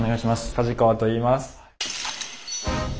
梶川といいます。